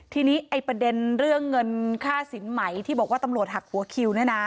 ทีนี้ไอ้ประเด็นเรื่องเงินค่าสินไหมที่บอกว่าตำรวจหักหัวคิวเนี่ยนะ